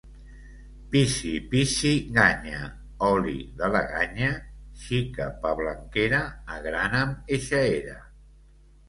Pissi-pissi-ganya, oli de la ganya; xica pablanquera, agrana’m eixa era.